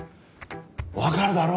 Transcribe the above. わかるだろ？